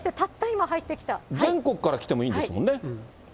全国から来てもいいんですもんね。